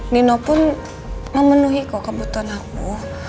nino pun memenuhi kebutuhan aku